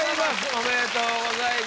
おめでとうございます。